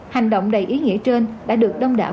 hành động đầy ý nghĩa trên đã được đông đảo